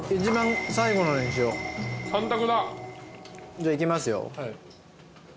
じゃあいきますよ。